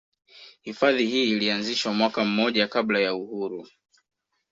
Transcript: Hifadhi hii ilianzishwa mwaka mmoja kabla ya uhuru